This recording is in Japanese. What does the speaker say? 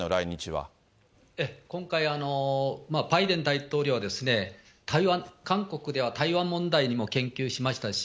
今回、バイデン大統領は韓国では台湾問題にも言及しましたし、